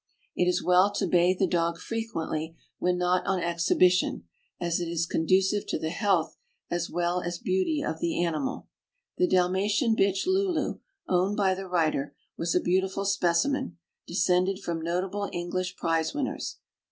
It is well to bathe the dog frequently when not on exhibition, as it is con ducive to the health as well as beauty of the animal. The Dalmatian bitch Lulu, owned by the writer, was a beautiful specimen, descended from notable English prize winners.